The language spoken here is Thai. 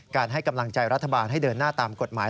ให้กำลังใจรัฐบาลให้เดินหน้าตามกฎหมาย